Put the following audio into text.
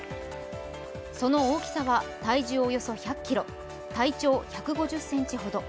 その大きさは体重およそ１００ｋｇ体長１５０ｃｍほど。